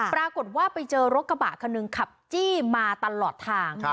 ปรากฏว่าไปเจอรถกระบะคันหนึ่งขับจี้มาตลอดทาง